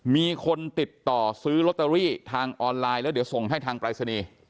มีคนติดต่อซื้อลอตเตอรี่ทางออนไลน์แล้วเดี๋ยวส่งให้ทางปรายศนีย์